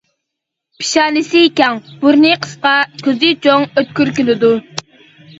پېشانىسى كەڭ، بۇرنى قىسقا، كۆزى چوڭ، ئۆتكۈر كېلىدۇ.